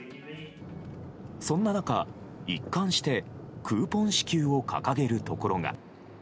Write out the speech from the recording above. そんな中、一貫してクーポン支給を掲げるところが。